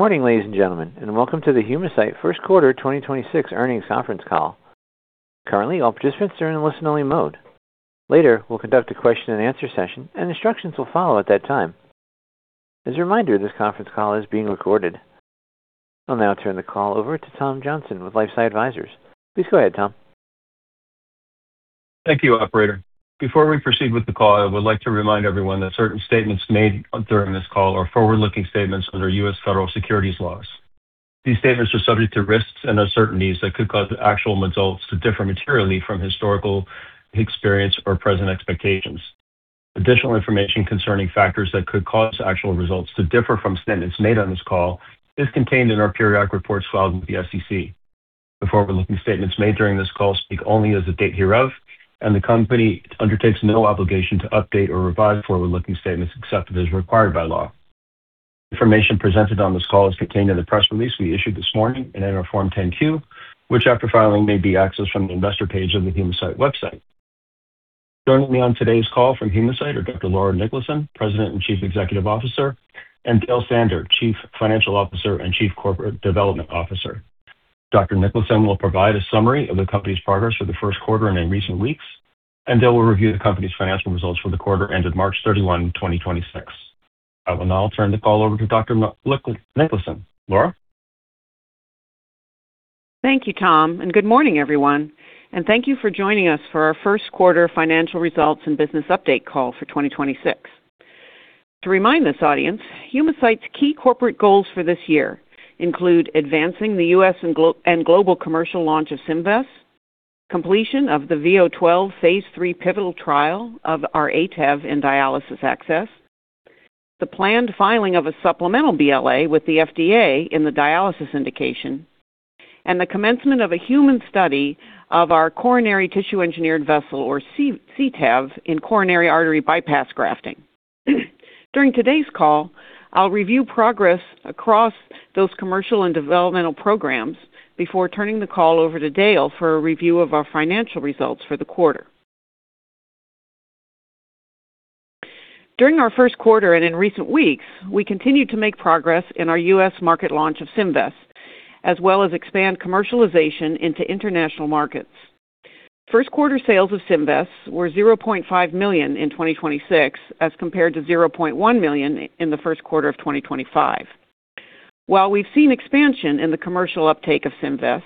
Good morning, ladies and gentlemen, and welcome to the Humacyte First Quarter 2026 Earnings Conference Call. Currently, all participants are in listen-only mode. Later, we'll conduct a question-and-answer session, and instructions will follow at that time. As a reminder, this conference call is being recorded. I'll now turn the call over to Tom Johnson with LifeSci Advisors. Please go ahead, Tom. Thank you, operator. Before we proceed with the call, I would like to remind everyone that certain statements made during this call are forward-looking statements under U.S. federal securities laws. These statements are subject to risks and uncertainties that could cause actual results to differ materially from historical experience or present expectations. Additional information concerning factors that could cause actual results to differ from statements made on this call is contained in our periodic reports filed with the SEC. The forward-looking statements made during this call speak only as of date hereof, and the company undertakes no obligation to update or revise forward-looking statements except as required by law. Information presented on this call is contained in the press release we issued this morning and in our Form 10-Q, which, after filing, may be accessed from the Investor page of the Humacyte website. Joining me on today's call from Humacyte are Dr. Laura Niklason, President and Chief Executive Officer, and Dale Sander, Chief Financial Officer and Chief Corporate Development Officer. Dr. Niklason will provide a summary of the company's progress for the first quarter and in recent weeks, and Dale will review the company's financial results for the quarter ended March 31, 2026. I will now turn the call over to Dr. Niklason. Laura? Thank you, Tom. Good morning, everyone, and thank you for joining us for our first quarter financial results and business update call for 2026. To remind this audience, Humacyte's key corporate goals for this year include advancing the U.S. and global commercial launch of Symvess, completion of the V012 phase III pivotal trial of our ATEV in dialysis access, the planned filing of a supplemental BLA with the FDA in the dialysis indication, the commencement of a human study of our coronary tissue engineered vessel or CTEV in coronary artery bypass grafting. During today's call, I'll review progress across those commercial and developmental programs before turning the call over to Dale for a review of our financial results for the quarter. During our first quarter and in recent weeks, we continued to make progress in our U.S. market launch of Symvess, as well as expand commercialization into international markets. First quarter sales of Symvess were $0.5 million in 2026 as compared to $0.1 million in the first quarter of 2025. While we've seen expansion in the commercial uptake of Symvess,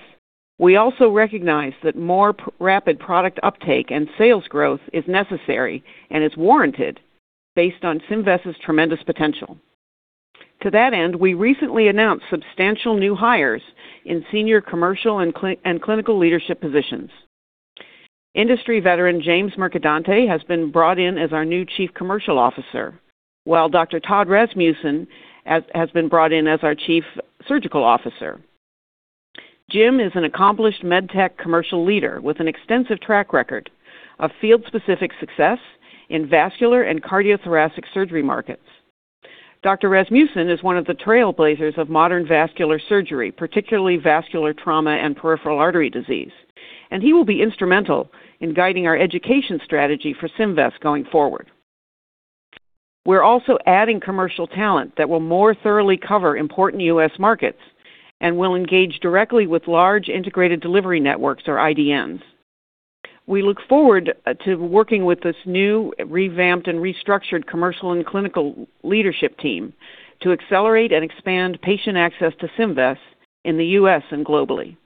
we also recognize that more rapid product uptake and sales growth is necessary and is warranted based on Symvess' tremendous potential. To that end, we recently announced substantial new hires in senior commercial and clinical leadership positions. Industry veteran Jim Mercadante has been brought in as our new Chief Commercial Officer, while Dr. Todd Rasmussen has been brought in as our Chief Surgical Officer. Jim is an accomplished medtech commercial leader with an extensive track record of field-specific success in vascular and cardiothoracic surgery markets. Dr. Rasmussen is one of the trailblazers of modern vascular surgery, particularly vascular trauma and peripheral artery disease, and he will be instrumental in guiding our education strategy for Symvess going forward. We're also adding commercial talent that will more thoroughly cover important U.S. markets and will engage directly with large integrated delivery networks or IDNs. We look forward to working with this new revamped and restructured commercial and clinical leadership team to accelerate and expand patient access to Symvess in the U.S. and globally.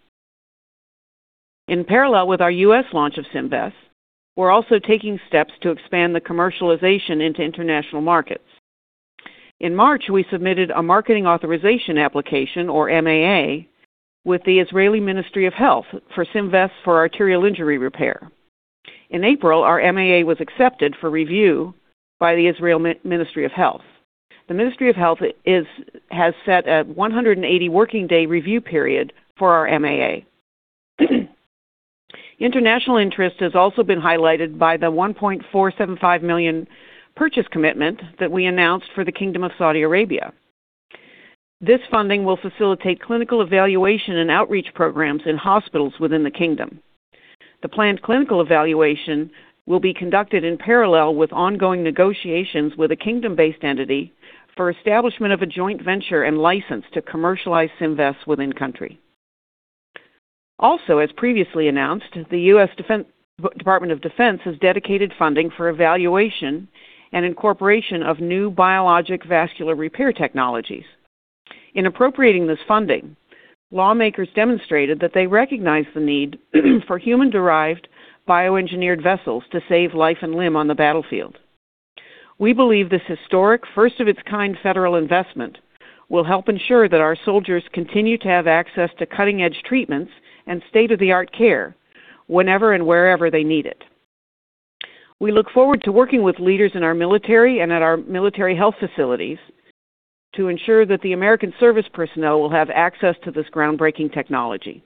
In parallel with our U.S. launch of Symvess, we're also taking steps to expand the commercialization into international markets. In March, we submitted a marketing authorization application or MAA with the Israeli Ministry of Health for Symvess for arterial injury repair. In April, our MAA was accepted for review by the Israeli Ministry of Health. The Ministry of Health has set a 180 working day review period for our MAA. International interest has been highlighted by the $1.475 million purchase commitment that we announced for the Kingdom of Saudi Arabia. This funding will facilitate clinical evaluation and outreach programs in hospitals within the kingdom. The planned clinical evaluation will be conducted in parallel with ongoing negotiations with a kingdom-based entity for establishment of a joint venture and license to commercialize Symvess within country. As previously announced, the U.S. Department of Defense has dedicated funding for evaluation and incorporation of new biologic vascular repair technologies. In appropriating this funding, lawmakers demonstrated that they recognize the need for human-derived bioengineered vessels to save life and limb on the battlefield. We believe this historic first of its kind federal investment will help ensure that our soldiers continue to have access to cutting-edge treatments and state-of-the-art care whenever and wherever they need it. We look forward to working with leaders in our military and at our military health facilities to ensure that the American service personnel will have access to this groundbreaking technology.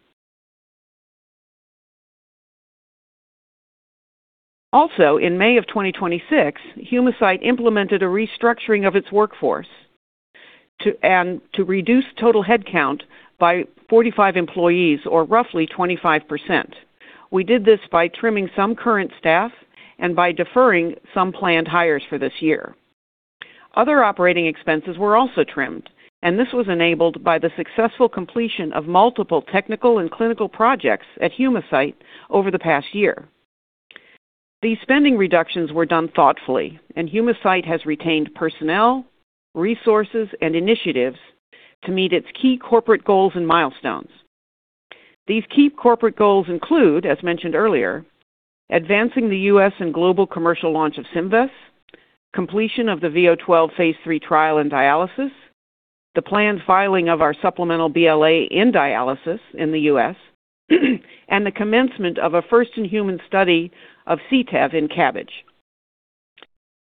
In May of 2026, Humacyte implemented a restructuring of its workforce to reduce total headcount by 45 employees or roughly 25%. We did this by trimming some current staff and by deferring some planned hires for this year. Other operating expenses were also trimmed, and this was enabled by the successful completion of multiple technical and clinical projects at Humacyte over the past year. These spending reductions were done thoughtfully, and Humacyte has retained personnel, resources, and initiatives to meet its key corporate goals and milestones. These key corporate goals include, as mentioned earlier, advancing the U.S. and global commercial launch of Symvess, completion of the V012 phase III trial in dialysis, the planned filing of our supplemental BLA in dialysis in the U.S., and the commencement of a first-in-human study of CTEV in CABG.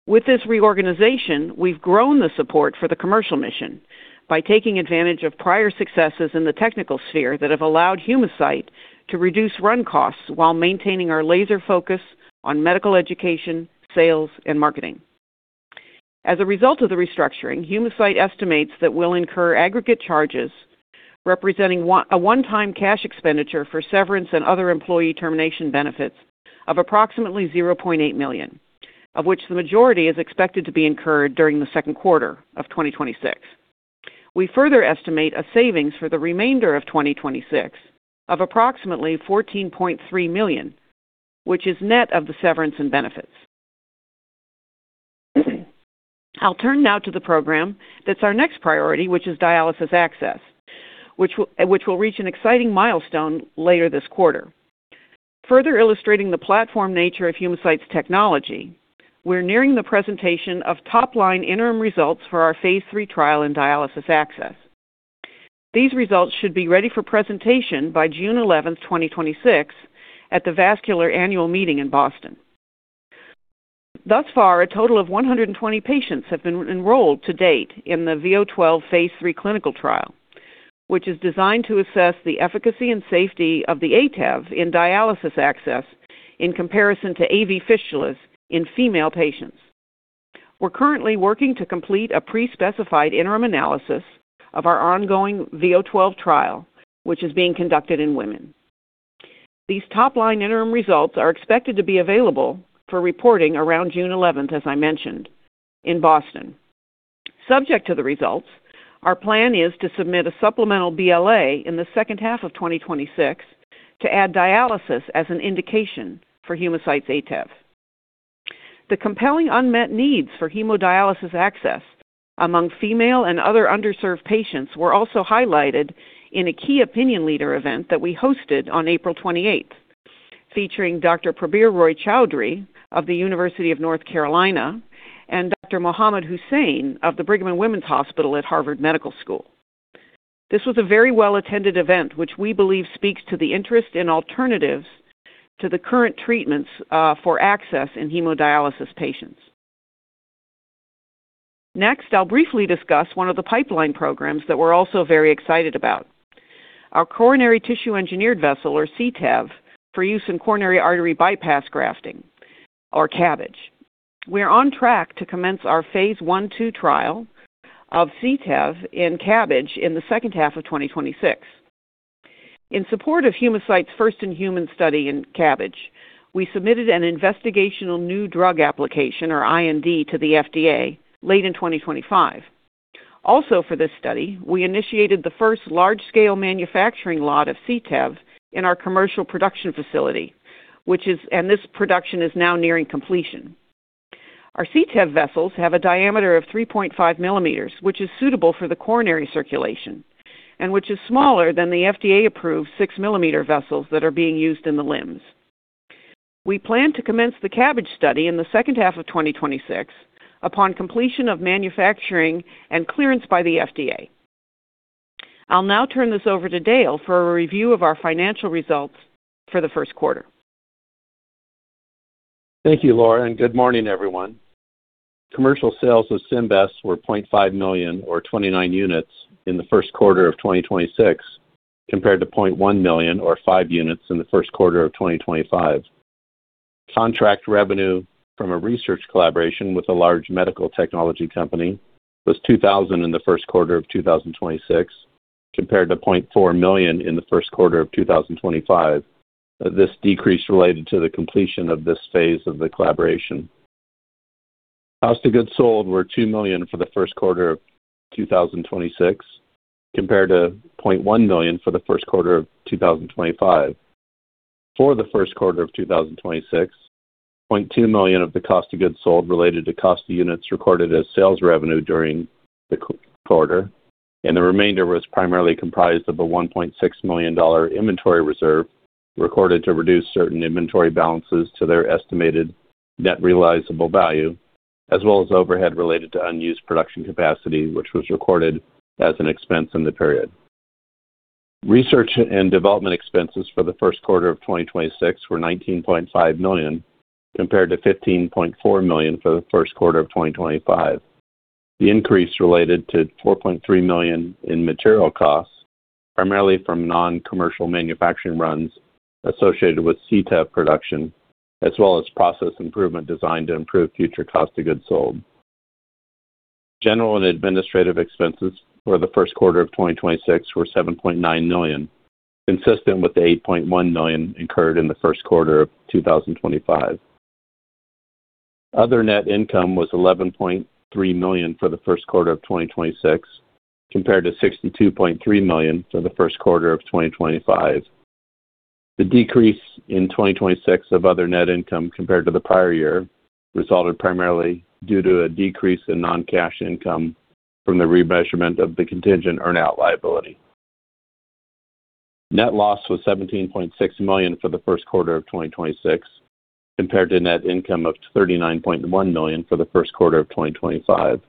With this reorganization, we've grown the support for the commercial mission by taking advantage of prior successes in the technical sphere that have allowed Humacyte to reduce run costs while maintaining our laser focus on medical education, sales, and marketing. As a result of the restructuring, Humacyte estimates that we'll incur aggregate charges representing a one-time cash expenditure for severance and other employee termination benefits of approximately $0.8 million, of which the majority is expected to be incurred during the second quarter of 2026. We further estimate a savings for the remainder of 2026 of approximately $14.3 million, which is net of the severance and benefits. I'll turn now to the program that's our next priority, which is dialysis access, which will reach an exciting milestone later this quarter. Further illustrating the platform nature of Humacyte's technology, we're nearing the presentation of top-line interim results for our phase III trial in dialysis access. These results should be ready for presentation by June 11, 2026, at the Vascular Annual Meeting in Boston. Thus far, a total of 120 patients have been enrolled to date in the V012 phase III clinical trial, which is designed to assess the efficacy and safety of the ATEV in dialysis access in comparison to AV fistulas in female patients. We're currently working to complete a pre-specified interim analysis of our ongoing V012 trial, which is being conducted in women. These top-line interim results are expected to be available for reporting around June 11th, as I mentioned, in Boston. Subject to the results, our plan is to submit a supplemental BLA in the second half of 2026 to add dialysis as an indication for Humacyte's ATEV. The compelling unmet needs for hemodialysis access among female and other underserved patients were also highlighted in a key opinion leader event that we hosted on April 28th, featuring Dr. Prabir Roy-Chaudhury of the University of North Carolina and Dr. Mohamad Hussain of the Brigham and Women's Hospital at Harvard Medical School. This was a very well-attended event, which we believe speaks to the interest in alternatives to the current treatments for access in hemodialysis patients. I'll briefly discuss one of the pipeline programs that we're also very excited about. Our Coronary Tissue Engineered Vessel, or CTEV, for use in coronary artery bypass grafting, or CABG. We're on track to commence our phase I-II trial of CTEV and CABG in the second half of 2026. In support of Humacyte's first-in-human study in CABG, we submitted an investigational new drug application, or IND, to the FDA late in 2025. For this study, we initiated the first large-scale manufacturing lot of CTEV in our commercial production facility, which is nearing completion. Our CTEV vessels have a diameter of 3.5 mm, which is suitable for the coronary circulation and which is smaller than the FDA-approved 6 mm vessels that are being used in the limbs. We plan to commence the CABG study in the second half of 2026 upon completion of manufacturing and clearance by the FDA. I'll now turn this over to Dale for a review of our financial results for the first quarter. Thank you, Laura, and good morning, everyone. Commercial sales of Symvess were $0.5 million or 29 units in the first quarter of 2026 compared to $0.1 million or five units in the first quarter of 2025. Contract revenue from a research collaboration with a large medical technology company was $2,000 in the first quarter of 2026 compared to $0.4 million in the first quarter of 2025. This decrease related to the completion of this phase of the collaboration. Cost of goods sold were $2 million for the first quarter of 2026 compared to $0.1 million for the first quarter of 2025. For the first quarter of 2026, $0.2 million of the cost of goods sold related to cost of units recorded as sales revenue during the quarter, and the remainder was primarily comprised of a $1.6 million inventory reserve recorded to reduce certain inventory balances to their estimated net realizable value as well as overhead related to unused production capacity, which was recorded as an expense in the period. Research and development expenses for the first quarter of 2026 were $19.5 million compared to $15.4 million for the first quarter of 2025. The increase related to $4.3 million in material costs, primarily from non-commercial manufacturing runs associated with CTEV production, as well as process improvement designed to improve future cost of goods sold. General and administrative expenses for the first quarter of 2026 were $7.9 million, consistent with the $8.1 million incurred in the first quarter of 2025. Other net income was $11.3 million for the first quarter of 2026, compared to $62.3 million for the first quarter of 2025. The decrease in 2026 of Other net income compared to the prior year resulted primarily due to a decrease in non-cash income from the remeasurement of the contingent earn-out liability. Net loss was $17.6 million for the first quarter of 2026, compared to net income of $39.1 million for the first quarter of 2025.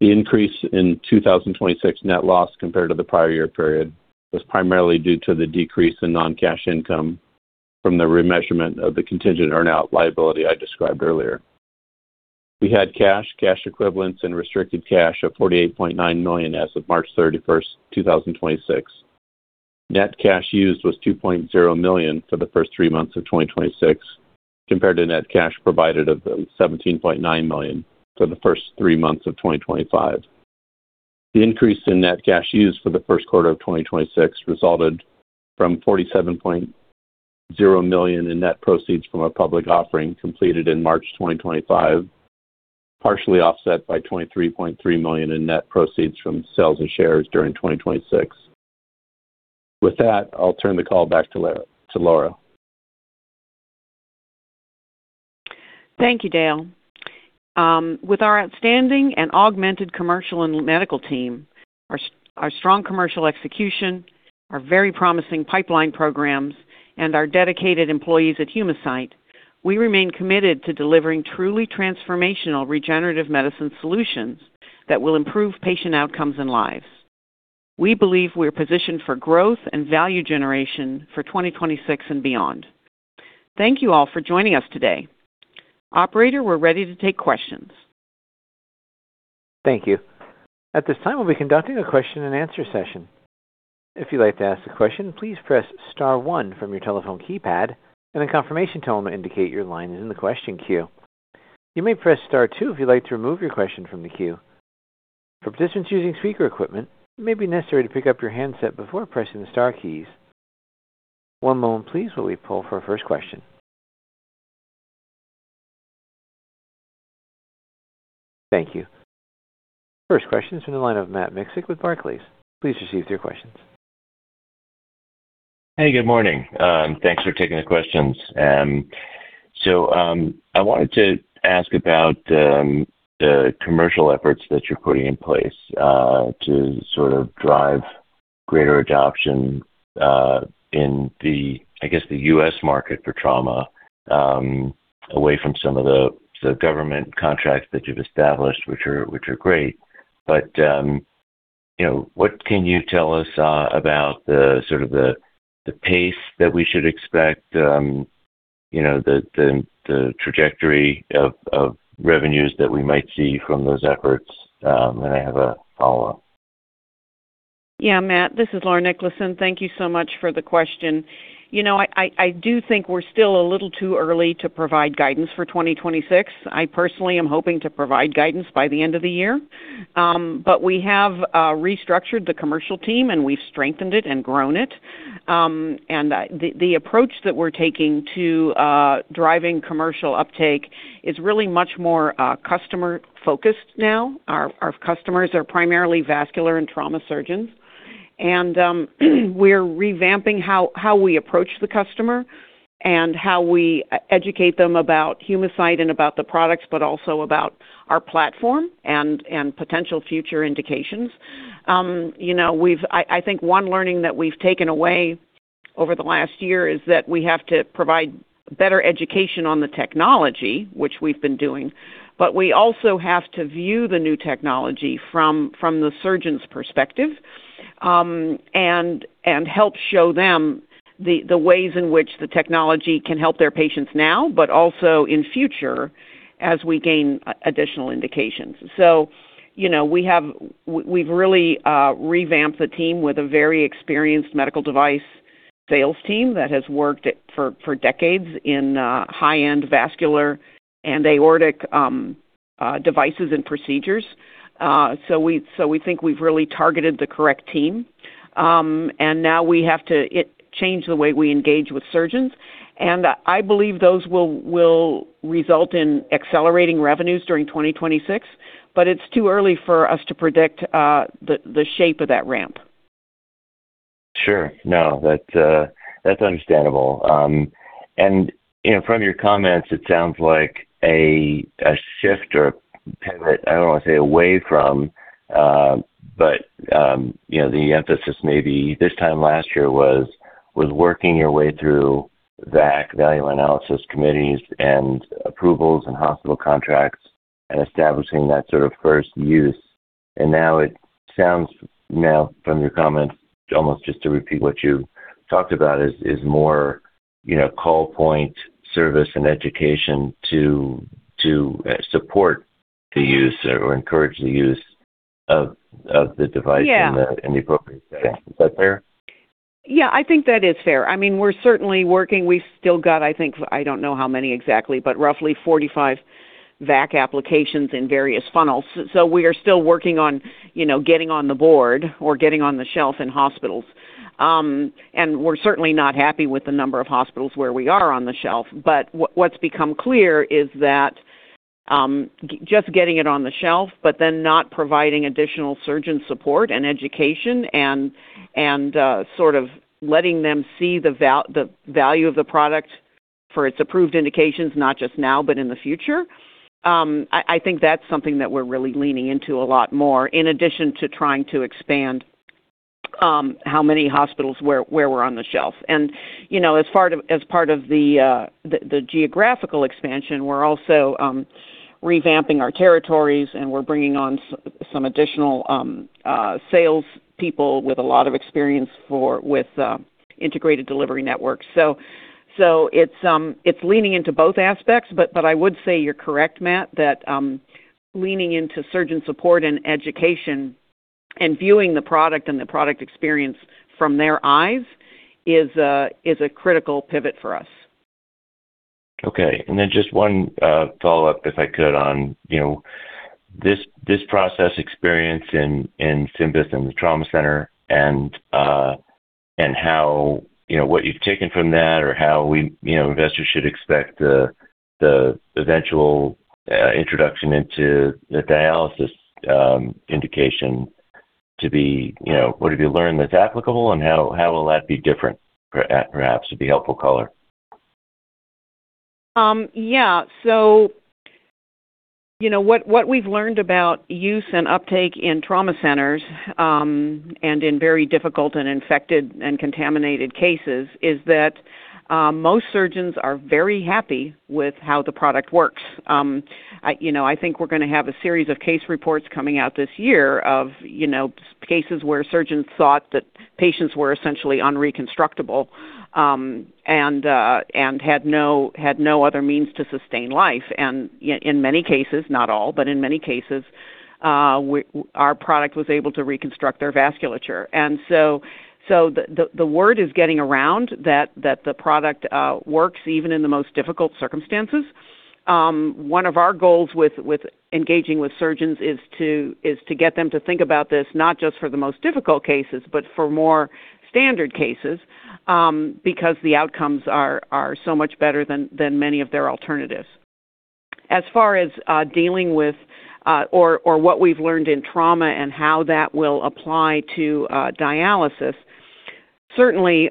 The increase in 2026 net loss compared to the prior year period was primarily due to the decrease in non-cash income from the remeasurement of the contingent earn-out liability I described earlier. We had cash equivalents, and restricted cash of $48.9 million as of March 31st, 2026. Net cash used was $2.0 million for the first three months of 2026, compared to net cash provided of $17.9 million for the first three months of 2025. The increase in net cash used for the first quarter of 2026 resulted from $47.0 million in net proceeds from a public offering completed in March 2025, partially offset by $23.3 million in net proceeds from sales and shares during 2026. With that, I'll turn the call back to Laura. Thank you, Dale. With our outstanding and augmented commercial and medical team, our strong commercial execution, our very promising pipeline programs, and our dedicated employees at Humacyte, we remain committed to delivering truly transformational regenerative medicine solutions that will improve patient outcomes and lives. We believe we are positioned for growth and value generation for 2026 and beyond. Thank you all for joining us today. Operator, we're ready to take questions. Thank you. At this time we'll be conducting a question-and-answer session. If you would like to ask a question please press star one from your telephone keypad. A confirmation tone will indicate your line is in the question queue. You may press star two if you would like to remove your question from the queue. Participants using speaker equipment it may be necessary to pick up your handset before pressing the star keys. One moment please while we poll for our first question. Thank you. First question is from the line of Matt Miksic with Barclays. Please proceed with your questions. Hey, good morning. Thanks for taking the questions. I wanted to ask about the commercial efforts that you're putting in place to sort of drive greater adoption in the, I guess, the U.S. market for trauma away from some of the government contracts that you've established, which are great. You know, what can you tell us about the sort of the pace that we should expect, you know, the trajectory of revenues that we might see from those efforts? I have a follow-up. Yeah, Matt, this is Laura Niklason. Thank you so much for the question. You know, I do think we're still a little too early to provide guidance for 2026. I personally am hoping to provide guidance by the end of the year. We have restructured the commercial team, and we've strengthened it and grown it. The approach that we're taking to driving commercial uptake is really much more customer-focused now. Our customers are primarily vascular and trauma surgeons. We're revamping how we approach the customer and how we educate them about Humacyte and about the products, but also about our platform and potential future indications. You know, I think one learning that we've taken away over the last year is that we have to provide better education on the technology, which we've been doing, but we also have to view the new technology from the surgeon's perspective, and help show them the ways in which the technology can help their patients now, but also in future as we gain additional indications. You know, we've really revamped the team with a very experienced medical device sales team that has worked for decades in high-end vascular and aortic devices and procedures. We think we've really targeted the correct team. Now we have to change the way we engage with surgeons. I believe those will result in accelerating revenues during 2026, but it's too early for us to predict the shape of that ramp. Sure. No, that's understandable. You know, from your comments, it sounds like a shift or pivot, I don't want to say away from, but, you know, the emphasis maybe this time last year was working your way through the value analysis committees and approvals and hospital contracts and establishing that sort of first use. Now it sounds now from your comments, almost just to repeat what you talked about is more, you know, call point service and education to support the use or encourage the use of the device. Yeah. In the appropriate setting. Is that fair? Yeah, I think that is fair. I mean, we're certainly working. We've still got, I think, I don't know how many exactly, but roughly 45 VAC applications in various funnels. We are still working on, you know, getting on the board or getting on the shelf in hospitals. We're certainly not happy with the number of hospitals where we are on the shelf. What's become clear is that just getting it on the shelf, but then not providing additional surgeon support and education and sort of letting them see the value of the product for its approved indications, not just now, but in the future, I think that's something that we're really leaning into a lot more in addition to trying to expand how many hospitals where we're on the shelf. You know, as part of the geographical expansion, we're also revamping our territories, and we're bringing on some additional sales people with a lot of experience with integrated delivery networks. It's leaning into both aspects. I would say you're correct, Matt, that leaning into surgeon support and education and viewing the product and the product experience from their eyes is a critical pivot for us. Okay. Just one follow-up, if I could, on, you know, this process experience in Symvess and the trauma center and, how, you know, what you've taken from that or how we, you know, investors should expect the eventual introduction into the dialysis indication to be, you know, what have you learned that's applicable, and how will that be different perhaps would be helpful color? You know, what we've learned about use and uptake in trauma centers, and in very difficult and infected and contaminated cases is that most surgeons are very happy with how the product works. I, you know, I think we're going to have a series of case reports coming out this year of cases where surgeons thought that patients were essentially unreconstructable, and had no other means to sustain life. In many cases, not all, but in many cases, our product was able to reconstruct their vasculature. The word is getting around that the product works even in the most difficult circumstances. One of our goals with engaging with surgeons is to get them to think about this not just for the most difficult cases but for more standard cases because the outcomes are so much better than many of their alternatives. As far as dealing with or what we've learned in trauma and how that will apply to dialysis, certainly,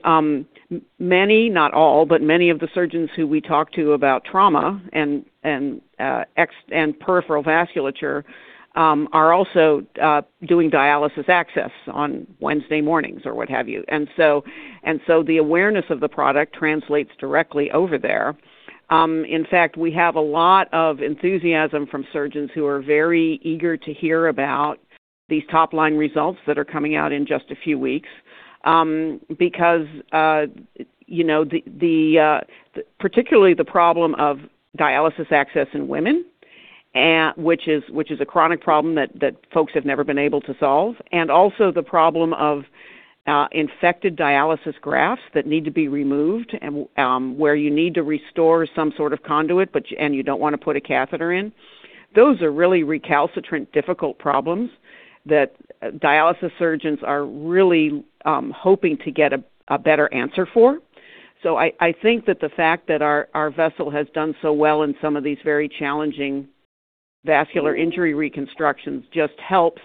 many, not all, but many of the surgeons who we talk to about trauma and peripheral vasculature are also doing dialysis access on Wednesday mornings or what have you. The awareness of the product translates directly over there. In fact, we have a lot of enthusiasm from surgeons who are very eager to hear about these top-line results that are coming out in just a few weeks, because, you know, the particularly the problem of dialysis access in women, which is a chronic problem that folks have never been able to solve, and also the problem of infected dialysis grafts that need to be removed and, where you need to restore some sort of conduit, and you don't want to put a catheter in. Those are really recalcitrant, difficult problems that dialysis surgeons are really hoping to get a better answer for. I think that the fact that our vessel has done so well in some of these very challenging vascular injury reconstructions just helps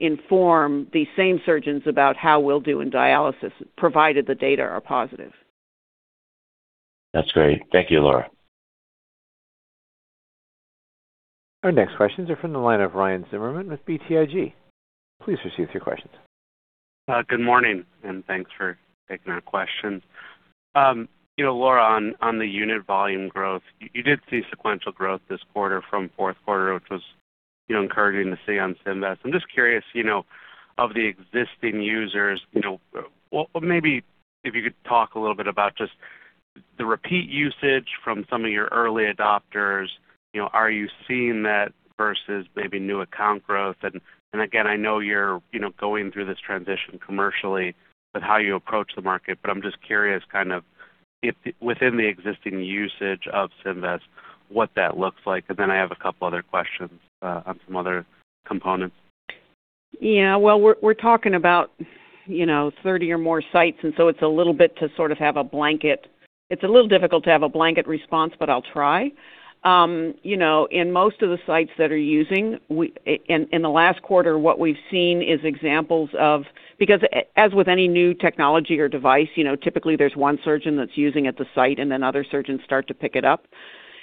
inform the same surgeons about how we'll do in dialysis, provided the data are positive. That's great. Thank you, Laura. Our next questions are from the line of Ryan Zimmerman with BTIG. Please proceed with your questions. Good morning, thanks for taking our question. You know, Laura, on the unit volume growth, you did see sequential growth this quarter from fourth quarter, which was, you know, encouraging to see on Symvess. I'm just curious, you know, of the existing users, you know, maybe if you could talk a little bit about just the repeat usage from some of your early adopters. You know, are you seeing that versus maybe new account growth? Again, I know you're, you know, going through this transition commercially with how you approach the market, but I'm just curious kind of if within the existing usage of Symvess, what that looks like. Then I have a couple other questions on some other components. Yeah. Well, we're talking about, you know, 30 or more sites, it's a little difficult to have a blanket response, but I'll try. You know, in most of the sites that are using, in the last quarter, what we've seen is examples of Because as with any new technology or device, you know, typically there's one surgeon that's using at the site, and then other surgeons start to pick it up.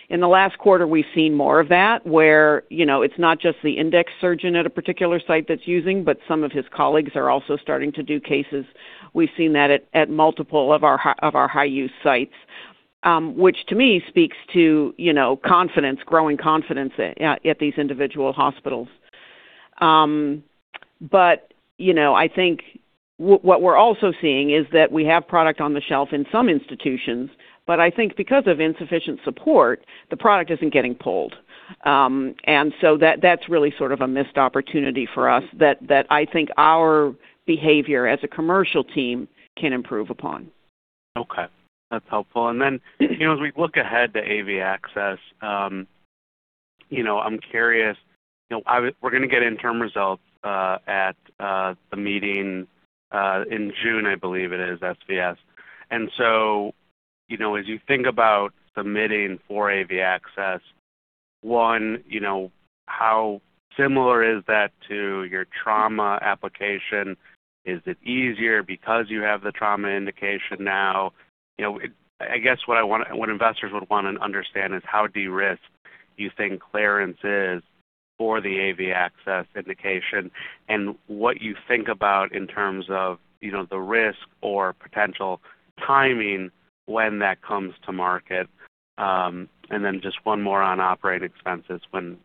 In the last quarter, we've seen more of that, where, you know, it's not just the index surgeon at a particular site that's using, but some of his colleagues are also starting to do cases. We've seen that at multiple of our high-use sites, which to me speaks to, you know, confidence, growing confidence at these individual hospitals. you know, I think what we're also seeing is that we have product on the shelf in some institutions, but I think because of insufficient support, the product isn't getting pulled. That's really sort of a missed opportunity for us that I think our behavior as a commercial team can improve upon. Okay, that's helpful. You know, as we look ahead to AV access, you know, we're going to get interim results at the meeting in June, I believe it is, SVS. You know, as you think about submitting for AV access, one, you know, how similar is that to your trauma application? Is it easier because you have the trauma indication now? You know, I guess what investors would want to understand is how de-risk you think clearance is for the AV access indication and what you think about in terms of, you know, the risk or potential timing when that comes to market. Just one more on operating expenses when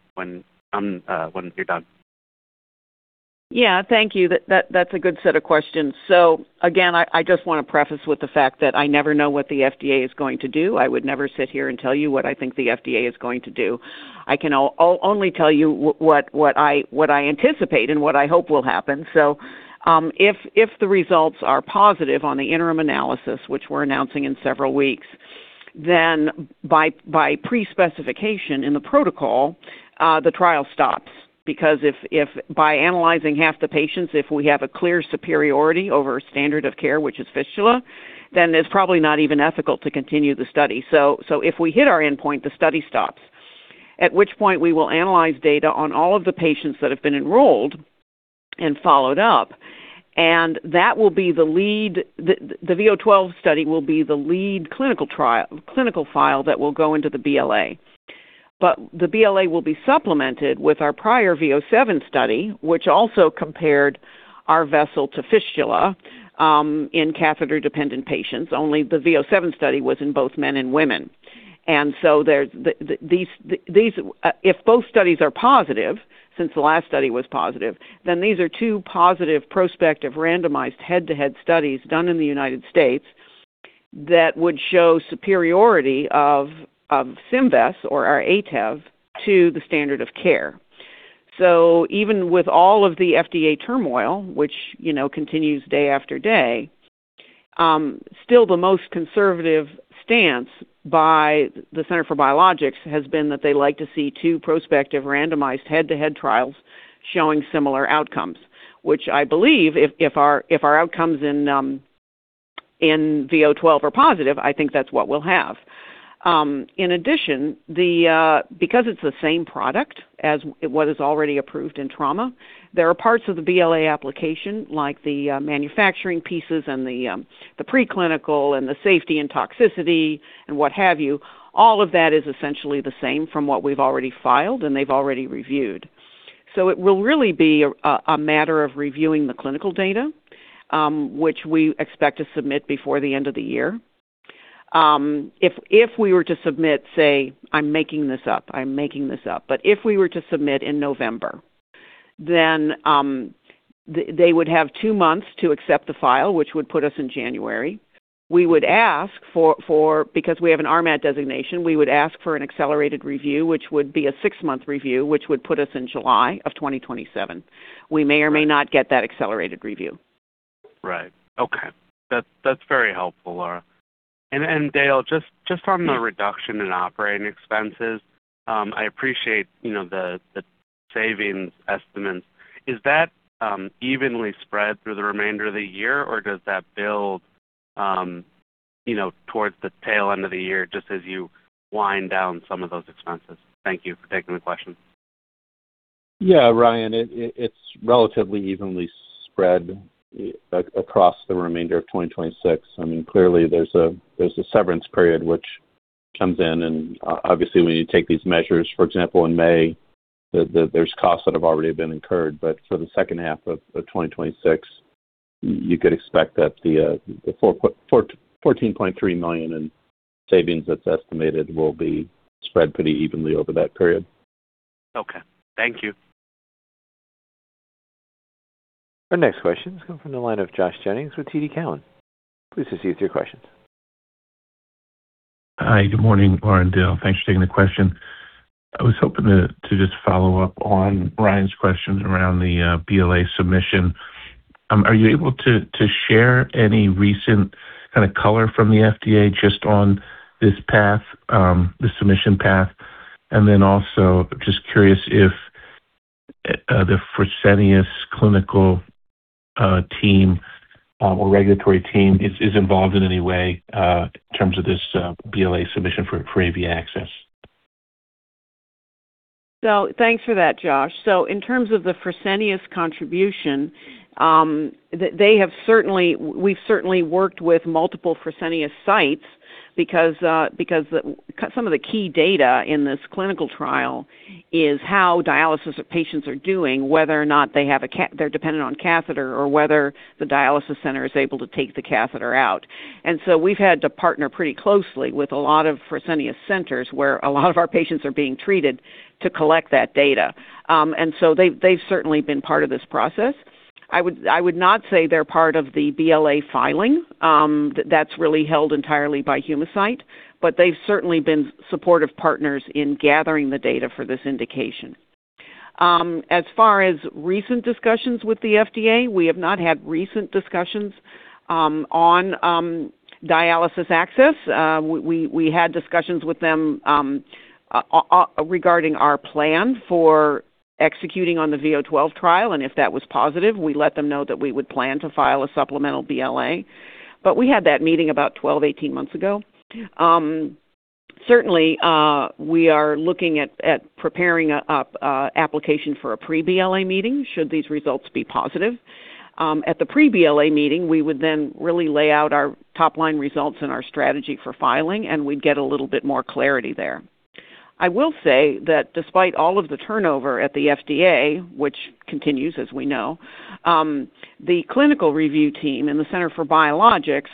you're done. Yeah. Thank you. That's a good set of questions. Again, I just want to preface with the fact that I never know what the FDA is going to do. I would never sit here and tell you what I think the FDA is going to do. I can only tell you what I anticipate and what I hope will happen. If the results are positive on the interim analysis, which we're announcing in several weeks, then by pre-specification in the protocol, the trial stops. Because if by analyzing half the patients, if we have a clear superiority over standard of care, which is fistula, then it's probably not even ethical to continue the study. If we hit our endpoint, the study stops. At which point we will analyze data on all of the patients that have been enrolled and followed up, that will be the lead V012 study will be the lead clinical file that will go into the BLA. The BLA will be supplemented with our prior V007 study, which also compared our vessel to fistula in catheter-dependent patients. Only the V007 study was in both men and women. These, if both studies are positive, since the last study was positive, these are two positive prospective randomized head-to-head studies done in the U.S. that would show superiority of Symvess or our ATEV to the standard of care. Even with all of the FDA turmoil, which, you know, continues day-after-day, still the most conservative stance by the Center for Biologics has been that they like to see two prospective randomized head-to-head trials showing similar outcomes, which I believe if our, if our outcomes in V012 are positive, I think that's what we'll have. In addition, the because it's the same product as what is already approved in trauma, there are parts of the BLA application, like the manufacturing pieces and the preclinical and the safety and toxicity and what have you, all of that is essentially the same from what we've already filed and they've already reviewed. It will really be a matter of reviewing the clinical data, which we expect to submit before the end of the year. If we were to submit, say I'm making this up, I'm making this up, but if we were to submit in November, then they would have two months to accept the file, which would put us in January. We would ask for Because we have an RMAT designation, we would ask for an accelerated review, which would be a six-month review, which would put us in July of 2027. We may or may not get that accelerated review. Right. Okay. That's very helpful, Laura. Dale, just on the reduction in operating expenses, I appreciate, you know, the savings estimates. Is that evenly spread through the remainder of the year, or does that build, you know, towards the tail end of the year, just as you wind down some of those expenses? Thank you for taking the question. Yeah, Ryan, it's relatively evenly spread across the remainder of 2026. I mean, clearly there's a severance period which comes in, and obviously, when you take these measures, for example, in May, there's costs that have already been incurred. For the second half of 2026, you could expect that the $14.3 million in savings that's estimated will be spread pretty evenly over that period. Okay. Thank you. Our next question comes from the line of Josh Jennings with TD Cowen. Please proceed with your questions. Hi. Good morning, Laura and Dale. Thanks for taking the question. I was hoping to just follow up on Ryan's questions around the BLA submission. Are you able to share any recent kind of color from the FDA just on this path, the submission path? Also just curious if the Fresenius clinical team or regulatory team is involved in any way in terms of this BLA submission for AV access. Thanks for that, Josh. In terms of the Fresenius contribution, they have certainly worked with multiple Fresenius sites because some of the key data in this clinical trial is how dialysis patients are doing, whether or not they're dependent on catheter or whether the dialysis center is able to take the catheter out. We've had to partner pretty closely with a lot of Fresenius centers, where a lot of our patients are being treated, to collect that data. They've certainly been part of this process. I would not say they're part of the BLA filing, that's really held entirely by Humacyte, but they've certainly been supportive partners in gathering the data for this indication. As far as recent discussions with the FDA, we have not had recent discussions on dialysis access. We had discussions with them regarding our plan for executing on the V012 trial, and if that was positive, we let them know that we would plan to file a supplemental BLA. We had that meeting about 12, 18 months ago. Certainly, we are looking at preparing a application for a pre-BLA meeting should these results be positive. At the pre-BLA meeting, we would then really lay out our top-line results and our strategy for filing, and we'd get a little bit more clarity there. I will say that despite all of the turnover at the FDA, which continues, as we know, the clinical review team in the Center for Biologics,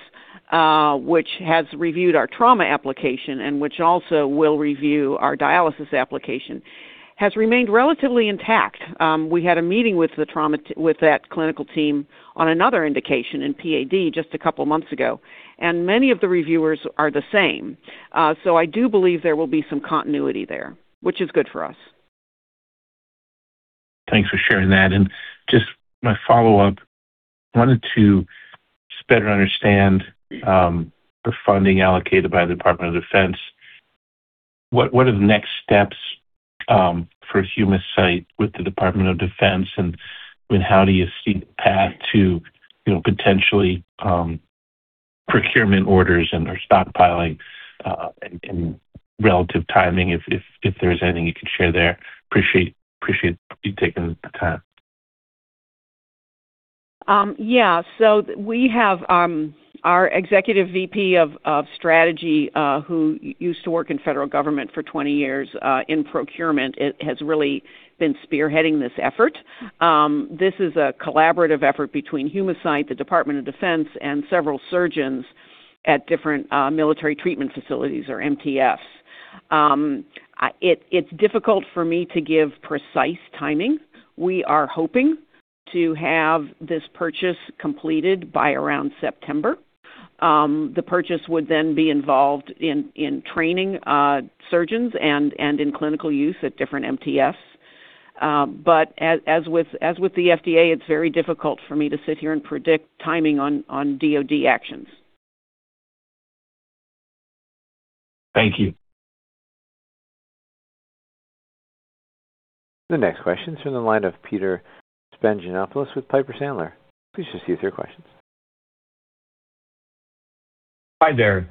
which has reviewed our trauma application and which also will review our dialysis application, has remained relatively intact. We had a meeting with the trauma with that clinical team on another indication in PAD just a couple months ago, many of the reviewers are the same. I do believe there will be some continuity there, which is good for us. Thanks for sharing that. Just my follow-up, I wanted to just better understand the funding allocated by the Department of Defense. What are the next steps for Humacyte with the Department of Defense, and how do you see the path to, you know, potentially procurement orders and/or stockpiling, and relative timing if there's anything you can share there. Appreciate you taking the time. We have our executive VP of strategy, who used to work in federal government for 20 years in procurement, it has really been spearheading this effort. This is a collaborative effort between Humacyte, the Department of Defense, and several surgeons at different Military Treatment Facilities or MTFs. It's difficult for me to give precise timing. We are hoping to have this purchase completed by around September. The purchase would then be involved in training surgeons and in clinical use at different MTFs. But as with the FDA, it's very difficult for me to sit here and predict timing on DoD actions. Thank you. The next question is from the line of Peter Kistinger with Piper Sandler. Please just proceed with your questions. Hi there.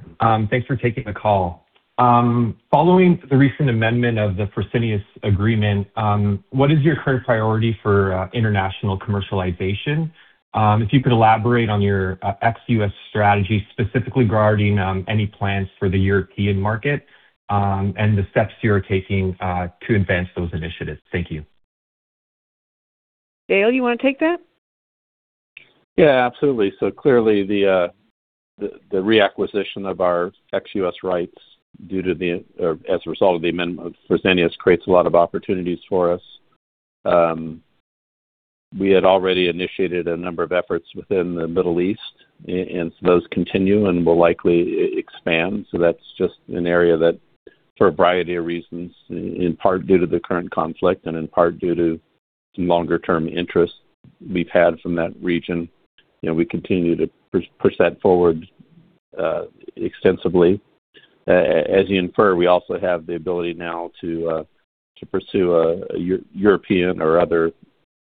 Thanks for taking the call. Following the recent amendment of the Fresenius agreement, what is your current priority for international commercialization? If you could elaborate on your ex-U.S. strategy, specifically regarding any plans for the European market, and the steps you're taking to advance those initiatives. Thank you. Dale, you want to take that? Absolutely. Clearly the reacquisition of our ex-U.S. rights due to, or as a result of the amendment of Fresenius, creates a lot of opportunities for us. We had already initiated a number of efforts within the Middle East, and those continue and will likely expand. That's just an area that for a variety of reasons, in part due to the current conflict and in part due to longer-term interest we've had from that region, you know, we continue to push that forward extensively. As you infer, we also have the ability now to pursue a European or other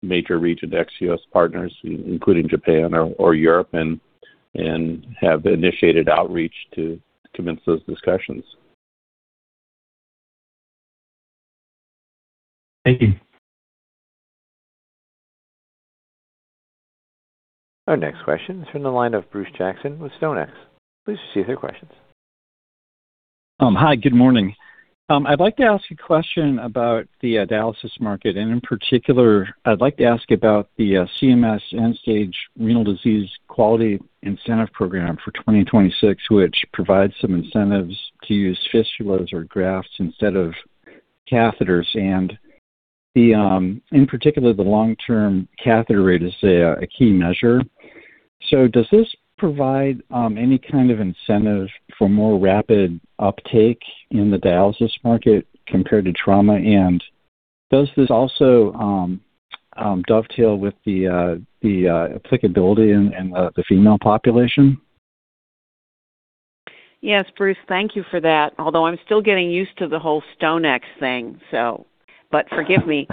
major region ex-U.S. partners, including Japan or Europe, and have initiated outreach to commence those discussions. Thank you. Our next question is from the line of Bruce Jackson with StoneX. Please proceed with your questions. Hi, good morning. I'd like to ask a question about the dialysis market, and in particular, I'd like to ask about the CMS End-Stage Renal Disease Quality Incentive Program for 2026, which provides some incentives to use fistulas or grafts instead of catheters. The in particular, the long-term catheter rate is a key measure. Does this provide any kind of incentive for more rapid uptake in the dialysis market compared to trauma? Does this also dovetail with the applicability in the female population? Yes, Bruce, thank you for that. I'm still getting used to the whole StoneX thing, but forgive me.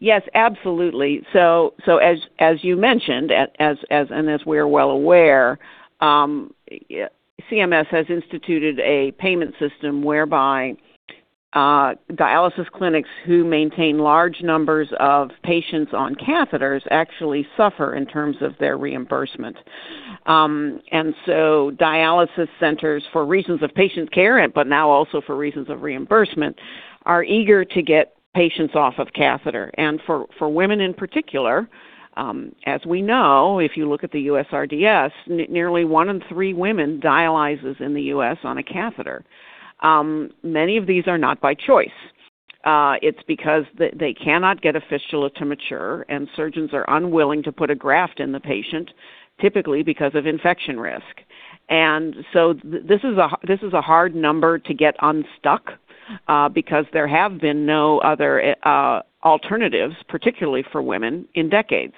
Yes, absolutely. As you mentioned, as we're well aware, CMS has instituted a payment system whereby dialysis clinics who maintain large numbers of patients on catheters actually suffer in terms of their reimbursement. Dialysis centers, for reasons of patient care but now also for reasons of reimbursement, are eager to get patients off of catheter. For women in particular, as we know, if you look at the USRDS, nearly one in three women dialyzes in the U.S. on a catheter. Many of these are not by choice. It's because they cannot get a fistula to mature, and surgeons are unwilling to put a graft in the patient, typically because of infection risk. This is a hard number to get unstuck because there have been no other alternatives, particularly for women, in decades.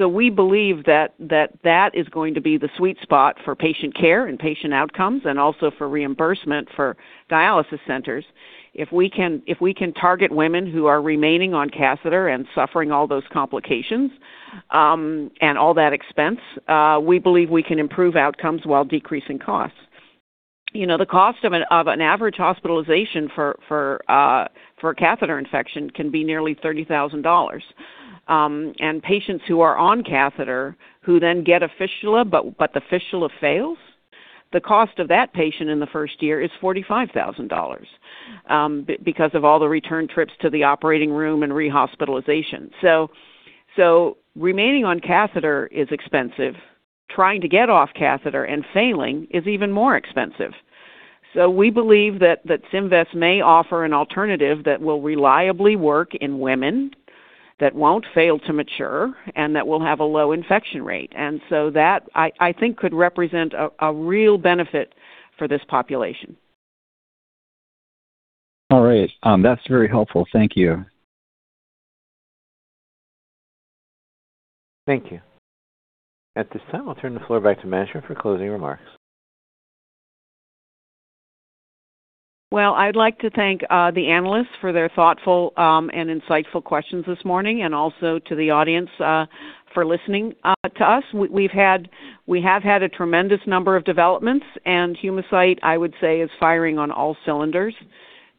We believe that that is going to be the sweet spot for patient care and patient outcomes and also for reimbursement for dialysis centers. If we can target women who are remaining on catheter and suffering all those complications, and all that expense, we believe we can improve outcomes while decreasing costs. You know, the cost of an average hospitalization for a catheter infection can be nearly $30,000. And patients who are on catheter who then get a fistula, but the fistula fails, the cost of that patient in the first year is $45,000 because of all the return trips to the operating room and rehospitalization. Remaining on catheter is expensive. Trying to get off catheter and failing is even more expensive. We believe that Symvess may offer an alternative that will reliably work in women, that won't fail to mature, and that will have a low infection rate. That I think could represent a real benefit for this population. All right. That's very helpful. Thank you. Thank you. At this time, I'll turn the floor back to management for closing remarks. Well, I'd like to thank the analysts for their thoughtful and insightful questions this morning and also to the audience for listening to us. We have had a tremendous number of developments. Humacyte, I would say, is firing on all cylinders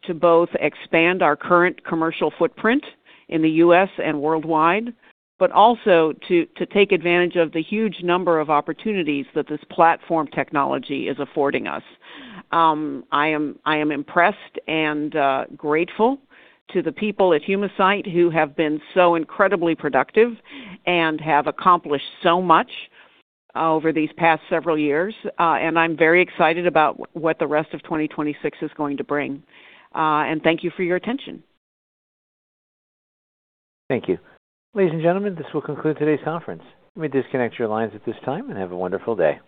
to both expand our current commercial footprint in the U.S. and worldwide, also to take advantage of the huge number of opportunities that this platform technology is affording us. I am impressed and grateful to the people at Humacyte who have been so incredibly productive and have accomplished so much over these past several years, and I'm very excited about what the rest of 2026 is going to bring. Thank you for your attention. Thank you. Ladies and gentlemen, this will conclude today's conference. You may disconnect your lines at this time. Have a wonderful day.